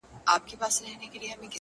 هغه چي ګرځی سوداګر دی په ونه غولیږی-